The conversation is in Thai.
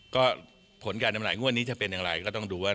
ก็ผลการจำหน่ายงวดนี้จะเป็นอย่างไรก็ต้องดูว่า